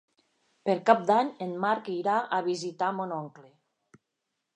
Per Cap d'Any en Marc irà a visitar mon oncle.